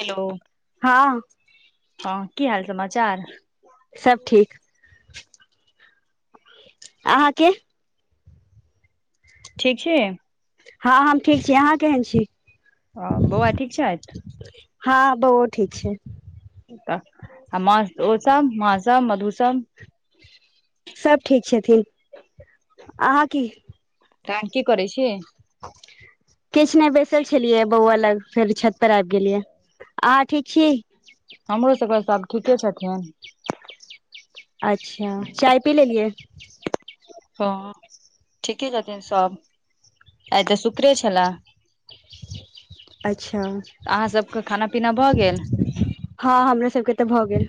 Hello हँ हँ की हाल समाचार सब ठीक अहाँके ठीक छी हँ हम ठीक छी अहाँ केहन छी ह बौआ ठीक छथि हँ बौओ ठीक छै आ मां ओ सब मां स मधु सब सब ठीक छथिन [inaudible] अहाँ की तहन की करै छियै [inaudible] किछ नहि बैसल छलियै बौआ लग फेर छत पर आबि गेलियै आ ठीक छी हमरो सबके सभ ठीके छथिन अच्छ चाय पी ले लियए ह [inaudible] ठीके छथिन सब आइ तऽ शुक्र छला अच्छा [inaudible] अहाँ सबके खाना पीना भऽ गेल हँ हमरा सबके तऽ भऽ गेल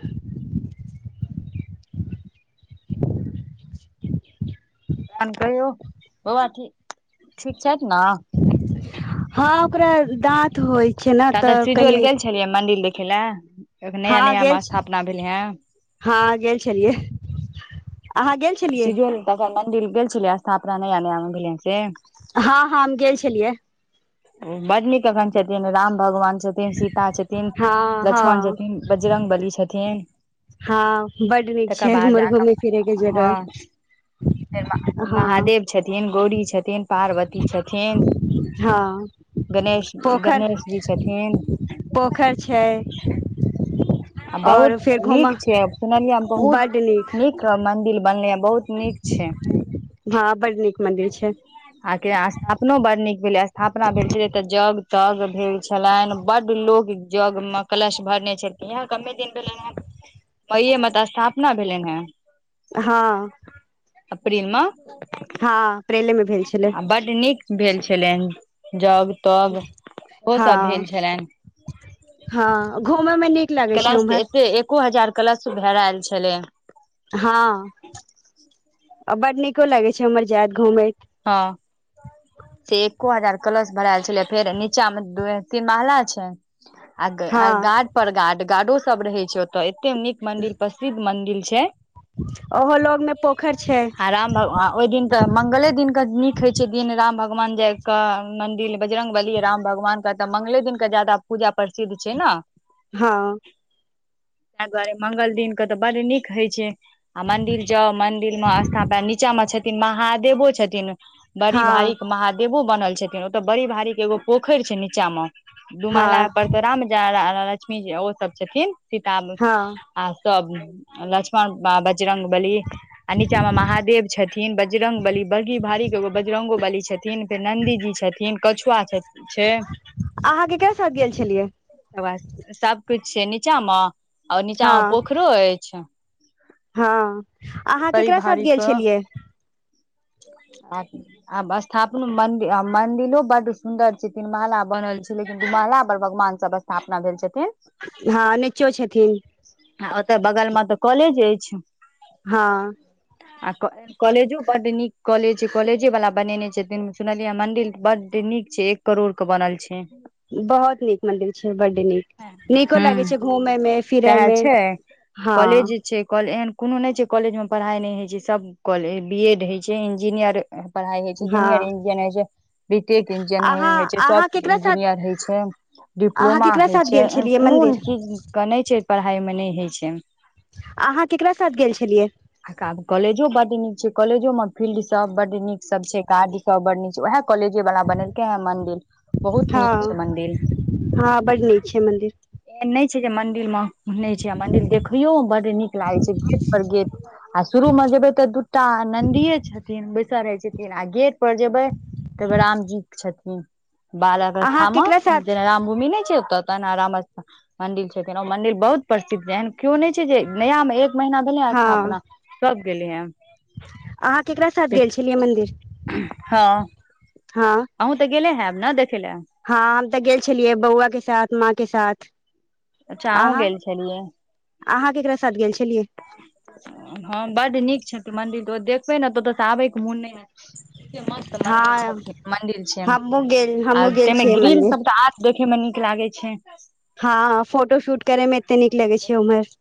तहन कहियौ बौआ ठी [inaudible] ठीक छैत ना हँ ओकरा दाँत होइ छै न तऽ कनि गेलिए मंदिर देखै लए एक नया हँ नया गेल मे स्थापना भेलै हे हँ गेल छलियै [inaudible] छलियै सजेल द क मंदिर गेल छलिए स्थापना नया नया से हँ हँ हम गेल छलियै बड नीक एखन छथिन राम भगवान छथि सीता छथिन हँ लक्ष्मण हँ छथिन बजरंग बली छथिन हँ बड नीक तकर छै बाद हमर जाक घूम फिरे के जगह हँ [unintelligible] हँ महादेव छथिन गौरी छथिन पार्वती छथिन हँ गणेश पोखर गणेश जी छथिन पोखर छै [inaudible] आ और बहुत फेर घूम नीक छै सुनलियै हम बहुत नीक क मंदिर बनलै ह बहुत नीक छै हँ बड नीक मंदिर छै आहाँ के स्थापना बड नीक भेलैए स्थापना भेल छलै त जग तग भेल छलनि बड लोको जग मे कलश भरने छलखिन एहै कते दिन भेलनि हे मई म त स्थापना भेलनि हे हँ [inaudible] अप्रैल मे हँ अप्रैल मे भेल छलै आ बड नीक भेल छलनि जग तग ओ हँ सब भेल छलनि [inaudible] हँ घूमै मे नीक लागै छै कलश त उम्हर एते एको हजार कलश भराएल छलै हँ [inaudible] बड नीको लगै छै इमह जायत घूमैत हँ [inaudible] से एक्को हजार कलश भराएल छलै फेर नीचा मे तीन महला छै आ हँ गार्ड पर गार्ड गार्डो सब रहै छै त एते नीक मंदिर प्रसिद्ध मंदिर छै ओहो लग मे पोखर छै [inaudible] आ राम भगवान ओइदिन त मंगले दिन नीक होइ छै दिन राम भगवान जाय कऽ मंदिर बजरंगबली राम भगवानके तऽ मंगले दिनकऽ ज्यादा पूजा प्रसिद्ध छै न हँ ताहि दुआरे मंगल दिन के तऽ बड नीक होइ छै आ मंदिर जाउ मंदिर मे स्थापना नीचा मे छथिन महादेवो छथिन बड़ी हँ भारी के महादेवो बना छथिन ओतऽ बड़ी भारी के एगो पोखरि छै, नीचा मे दू महला हँ परतो राम ज लक्ष्मीजी ओ सभ छथिन सीता हँ आ सभ लक्ष्मण ब बजरांग बाकी, आ नीचा मे महादेव छथिन बगी भारी के एगो बाजरंगो बली छथिन फेर नन्दी जी छथिन कछुआ छथिन अहाँकेँ सभ गेल छलियै तब सभ किछु छै नीचा मे आओर नीचा हँ मे पोखरो अछि हँ, अहाँ के बड़ी करा साथ भारी गेल क छलियै आ आब स्थापना मंदिर मंदिरो बड़ सुदर छै, तीन महला बनल छै, लेकिन दू महला पर भगवान सभ स्थापना भेल छथिन हँ, नचो छथिन। ओतऽ बगल मे तऽ कॉलेज अछि। हँ। आ कॉलजो बड़ निक। कॉलेज छै, कॉलेजे वला बनेने छै, सुनलियै मंडिर बड़ निक छै एक करोड़ के बनल छै। बहुत निक मंदिर छै, बड़ निक नीको हूँ लागै छै घुमय मे फिरए सएह मे छै हँ। कॉलेज छै, एहन कोनो नहि छै, कॉलेज मे पढ़ाइ नहि होइ छै, सभ कॉलेज बीएड होइ छै, इंजीनियर। पढ़ाइ होइ छै, जूनियर हँ इंजीनियर छै। बीटेक इंजीनियरि अहाँ होइ छै, अहाँ सॉफ्ट केकरा साथ इंजीनियर होय छै, अहाँ डिप्लोमा केकरा हइ साथ छै। गेल छलियै कोनो मंदिर चीज के नहि छै पढ़ाइ मे नहि होइ छै। अहा केकरा साथ गेल छलियै। आ कॉलजो बाटी निक छै कॉलजो म। फील्ड सभ बड़ निक सभ छै, कारड सभ बड़ड निक छै उएह कॉलेजे वला बनेलके है मंदिर बहुत हँ निक छै, मदिर हँ बड नीक छै मंदिर एहन नहि छै, जे मदिर मे नहि छै, आ मंदिर देखैयो बड़ निक लागैत छै गेट पर गेट। आ शुरू मे जेबे ते दूटा नदी छै। छथिन बैसल रहै छथिन, आ गेट पर जेबै तऽ राम जी छथिन। बाल अहाँ वस्थामे केकरा साथ जेना राम। नहि छै ओत तऽ ने राम स्थ मंदिर छथिन मंदिर बहुत प्रसिद्ध एन के नहि छै, जे नया मे एक महीना भेलै हँ हस्थ अपना सभ गेलै हे। अहाँ केकरा साथ गेल छलियै मन्दिर हँ हँ। अहूँ तऽ गेले हैब, ने देखै लऽ हँ, हम त गेल छलियै बौआ के साथ माँ के साथ अच्छा, अहुँ अहाँ गेल छलियै। अहाँ, केकरा साथ गेल छलियै? हँ बड़ निक छै मंदिर तऽ देखबे ने तऽ आबै के मन नहि मस्त हँ मन्दिर मन्दिर छै, हमहुँ गेल आ हमहुँ गेल तमे छियै ग्र मंदिर सभ देखेमे निक लागै छै। हँ, फोटो शूट करै मे एते निक लगै छै, उम्हर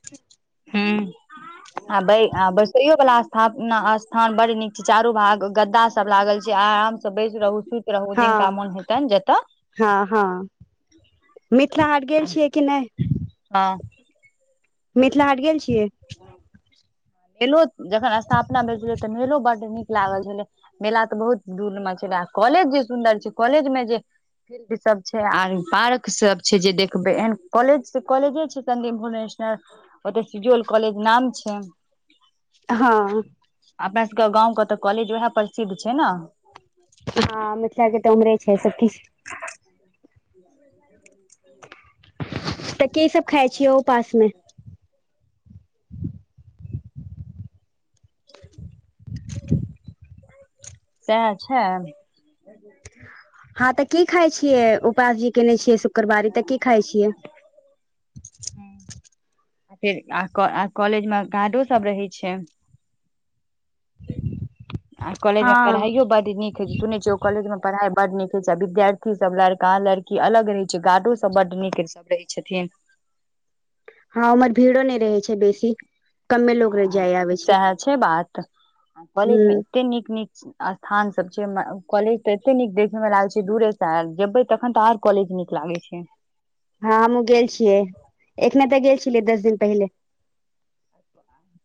हँ। आ बैसैयो वला स्थान बड़ निक छै चारू भाग गद्दा। सभ लागल छै, आराम से बैस रहु सुति रहू जिनका हँ, मोन हेतनि जतऽ हँ, हँ, मिथिला हाट गेल छियै कि नहि हँ मिथिला हाट गेल छियै मेलो जखन स्थापना भेल तऽ मेलो बड नीक लागल छलै मेला तऽ बहुत दूर मे छलै कॉलेज जे सुन्दर छै कॉलेज मे जे फील्ड सब छै आर पार्क सब छै जे देखबै एहन कॉलेज कॉलेजे छै [unintelligible] भुवनेशर ओत सिजुअल कॉलेज नाम छै हँ अपना सबके गाँंउ के तऽ कॉलेज उएह प्रसिद्ध छै नऽ हँ मिथिलाक के तऽ उमरे छै सखी [inaudible] तऽ की सब खाइ छियै ‌ओ उपास मे [inaudible] सएह छै [unintelligible] हँ तऽ की खााय छियै उपास जी केने छियै शुक्रवारी तऽ की खााय छियै आ फेर कॉलेज मे गार्डो सब रहे छै आ कॉलेज हँ मे पढ़ाइयो बड नीक हइ छै सुनै छ कॉलेज मे पढ़ाई बड नीक हय छै विद्यार्थी सब लड़का लड़की अलग रहे छै गार्डो सब बड नीक रहै छै रहै छथिन हँ उमहर भीड़ो नहि रहै छै बेसी कमे लोग जाय आबे छै सएह छै बात कॉलेज हूँ मे एते नीक नीक स्थान सब छै कॉलेज तऽ एते नीक देखै में लागै छै दूरेसँ आ जेबै तखन तऽ आओर कॉलेज नीक लागे छै हँ हमहु गेल छियै एखने तऽ गेल छलियै दस दिन पहिले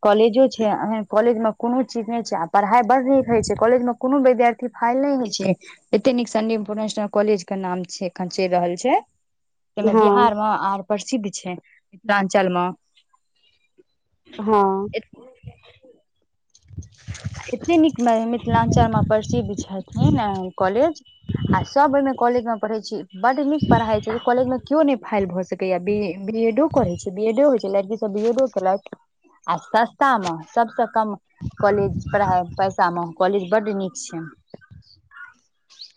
कॉलेजो छै एन कॉलेज मे कोनो चीज नहि छै आ पढ़ाइ बड़ नीक होइ छै कॉलेज मऽ कोनो विद्यार्थी फाइल नहि होइ छै एते नीक संडी इंटर नेशनल कॉलेज के नाम छै एखन चलि रहल छै तहिमे हँ बिहारमे आर प्रसिद्ध छै मिथिलाञ्चल मे हँ [inaudible] एते नीक मिथिलाञ्चलमे प्रसिद्ध छथिन कॉलेज आ सब ओहि मे कॉलेज मे पढ़े छी बड नीक पढ़ाई छै कॉलेज में केओ नहि फेल भए सक बीएडो करे छै बीडो होइ छै लड़की सब बी एडो केलथि आ सस्ता मे सबसँ कम कॉलेज पढ़ाइ पैसामे कॉलेज बड्ड नीक छै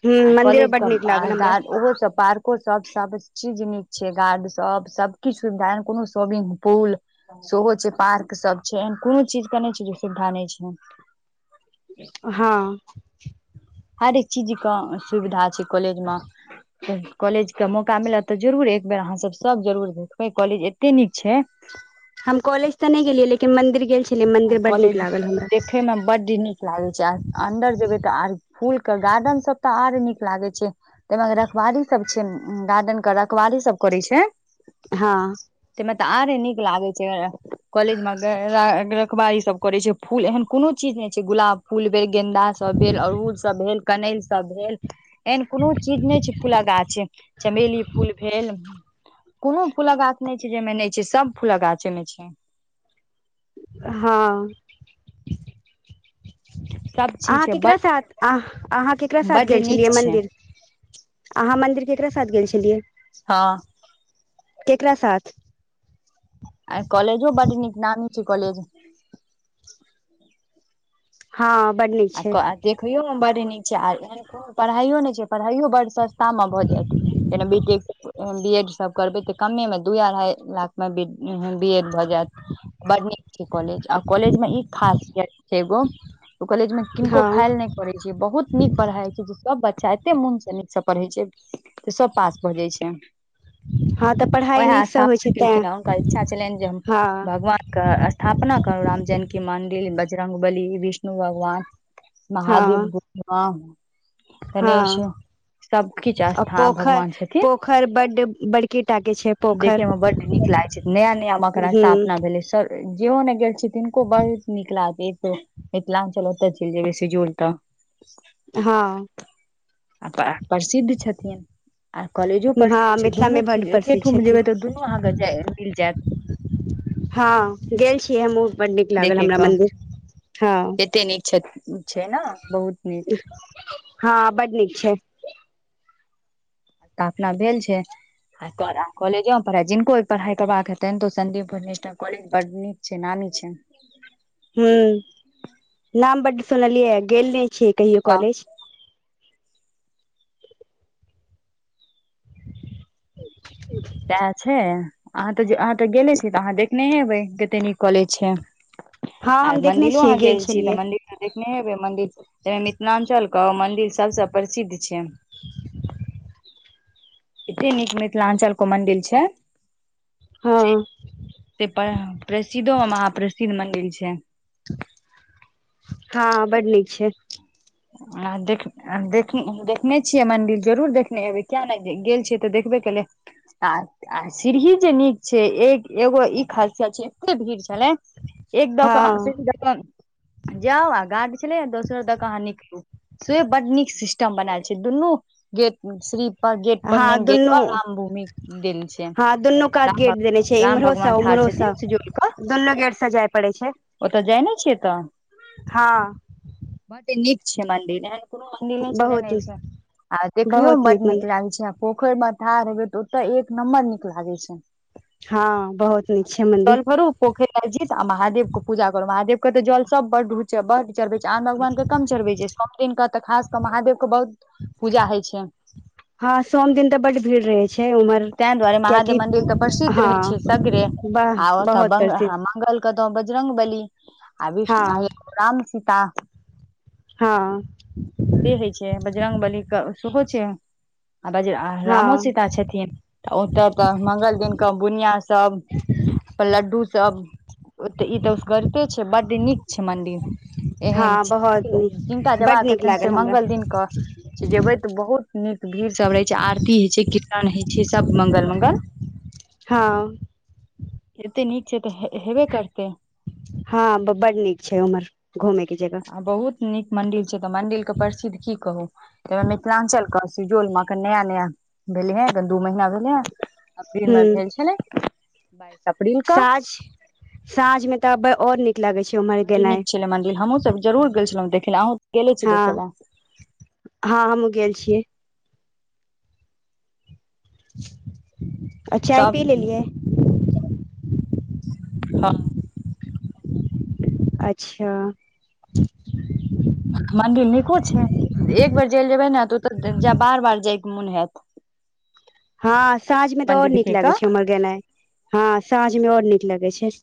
हूँ मंदिरो कॉलेज बड क नीक लागल हमरा गर्ड ओहो सब पार्क सब सब चीज नीक छै गार्ड सब सबकछु सुविधा कोनो स्वमिंग पुल सेहो छै पार्क सब छै एहन कोनो चीज के नहि छै जे सुविधा नहि छै हँ हरेक चीज कऽ सुविधा छै कॉलेज मे कॉलेज के मौका मिलत तऽ जरुर एक बेर अहाँ सब सब जरूर देखबै कॉलेज एते नीक छै हम कॉलेज तऽ नहि गेलियै लेकिन मन्दिर गेल छलियै मन्दिर बड्ड नीक कॉलेज लागल हमरा देखे मे बड निक लागे छै आ अन्दर जेबे तऽ आर फूल के गार्डन सब तऽ आर नीक लागे छै ताहिमे रखवारी सभ छै गार्डेन के रखवारी सभ करे छै हँ। तमे तऽ आरे निक लागे छै, कॉलज मे अखबार ईसभ करै छै, फूल एहन कोनो चीज नहि छै, गुलाब फूल भेल गेन्दा सभ भेल अड़हुल सभ भेल। कनैल सभ भेल। एहन कोनो चीज नहि छै, फूल कऽ गाछ चमेली फूल भेल। कोनो फूल कऽ गाछ नहि छै, जाहिमे नहि छै सभ फूल कऽ गाछ मे छै। हँ। सब चीज अहाँ छै ककरा बड साथ अहाँ ककरा साथ बड गेल छलियै नीक छै मन्दिर अहाँ मन्दिर केकरा साथ गेल छलियै हँ केकरा साथ। आ कॉलेजो बड़ निक नामी छै, कॉलेज हँ। बड नीक छै आ देखैयो मे बड़ निक छै आ एहन कोनो पढ़ाइयो नहि छै, पढ़ाइयो बड़ सस्त शमे भऽ जायत जेना बीट। बीएड सभ करबै तऽ कमे दू अढ़ाइ लाख मे बीएड भऽ जायत। बड़ निक छै, कॉलेज आ कॉलेज मे ई खासियत छै, एगो कॉलेज मे किनको हँ फल नहि पढ़ै छै, बहुत निक पढ़ाई छै, जे सभ बच्चा एते मोन निक सँ पढ़े छै। तऽ सभ पास भऽ जाइत छै। हँ तऽ पढ़ाइ ओएह नीकसँ होइ छै स्थापित तैं केलखिन हे हुनकर इच्छा छलनि जे हम हँ भगवान। के स्थापना करू राम जनक कि मन्दिर बाजरंग वली विष्णु भगवान। हँ महादेव भूमि हा हँ गणेश। सभकछु आ आस्था पोखरि भगवान छथिन, पोखरि बड्ड बड़की टा के छै देखे मे पोखरि बड़ निक लाग। नया नया मेखना ह स्थापना भेलै सभ। जेहो ने गेल छी तिनको बहुत निक लागत मिथिलांचल ओतय चलि जेयबै सजोल तऽ हँ। आ, प्रसिद्ध छथिन। आ कॉलेजो परसिद्ध हँ छै, मिथिला दुनू मे चीज बड्ड प्रसिद्ध एकेठोम छथिन जेबय तऽ दुनू अहाँकेँ मिल जायत। हँ, गेल छियै हमहुँ बड़ निक लागल हमरा मन्दिर हँ। नहि छथिन। छै, ने बहुत निक। हँ, बड़ निक छै। त अपना भेल छै। कॉजो पढ़ै जिनको पढ़ाई करबाक हतै तो सदीपुर नेशनल कॉेज बड़ निक जे नानी छै। ह, नाम बड़ सुनलियै गेल नहि छियै कहियो आ कॉलेज। [inaudible] सएह छै, अहाँ तऽ अहाँ तऽ गेले छी तऽ अहाँ देखने एबै कते निक कॉलेज छै। हँ आ हम देखने मंदिर छियै अहाँ गेल छी छलियै तऽ मंदिर देखने हेबे मंदिर मिथिलांचल के मंदिर सभसे प्रसिद्ध छै। [inaudible] एते निक मिथिलांचल को मंदिर छै। हँ। से प्रसिद्धो मे प्रसिद्ध मन्दिर छै। हँ बड़ निक छै। आ देख देख देखने छियै मन्दिर जरूर देखने एबै कियाक नहि गेल छियै तऽ देखबे केलै। [unintelligible] आ सीढ़ी जे नीक छै एक एगो ई खासियत छै एते भीड़ छलै एक द हँ [unintelligible] जाउ आ गाड छलै दोसर दोकान ह न से बड नीक सिस्टम बनाल छै दुनू गेट श्री गेट पर हँ मेन गेट दुनू पर राम भूमि देल छै हँ दुनू राम भ राम भगवान ठढ़ छथिन सिजौल पर दु लो गेट स जाइ पड़े छै ओतऽ जाइ नहि छियै तऽ हँ [inaudible] बड नीक छै मंदिर कोनो मंदिर नहि छै जे न बहुत छै आ देखयो मे बहुत बड नीक मंदिर लागै छै पोखरि मे थार हैबेत तऽ एक नम्बर नीक लागे छै हँ बहुत नीक छै [inaudible] मंदिर जल भरू पोखरि जी आ महादेव के पूजा करू महादेव के त जल सब बड बड चढ़बे छै आन भगवान के कम चढ़बे छै सब दिन के त खास कऽ महादेव के बहुत पूजा होइ छै हँ सोम दिन तऽ बड भीड़ रहे छै उम्हर [inaudible] तं दुआरे महादेव कियाकि मंदिर तऽ प्रसिद्ध रहै हँ छै सगरे ब आ ओत बहुत ब प्रसिद्ध मंगल कतौ बजरंग बली आ विष्ण हँ राम सीता हँ से होइ छै बरंगबली क सेहो छै आ बज रामो हँ सीता छथिन तऽ ओतय तऽ मंगल दिन बुनिया सभ पर लड्डू सब तऽ ई तऽ उस गरिते छै बड नीक छै मंदिर हँ बहुत एहनि [inaudible] जिनका नीक बड जबाक नीक होते से लागल हमरा मंगल दिन क जेबे तऽ बहुत नीक भीड़ सब रहे छै आरती हय छै कीर्तन हय छै सब मंगल मंगल [inaudible] हँ एते नीक छै तऽ हेबे करतै हँ बड नीक छै उमहर घूमे के जगह आ बहुत नीक मंदिर छै मंदिर के प प्रसिद्ध की कहूं मिथिलांचल क शेड्यूल म अखन नया नया भेलै ह दू महिना भेले ह अप्रील ह मे भेल छलै बाइस [inaudible] क साँझ [inaudible] साँझ में त अब और निक लागे छै र बड नीक छल मंदिर हमहु सब जरूर गेल छलहुँ देखै लए अहुँ गेले छी हँ देखै लए हँ हम गेल छियै [inaudible] आ चाय सब पी लेलियै हँ अच्छ मदिर नीको छै एक बेर चैल जेबै ने तऽ ओतऽ जा बार बार जायके मोन हयत हँ साँझ मे तऽ मंडी और नीक लगै दिखेगा छै हमर गेनाइ हँ साँझ मे और नीक लगै छै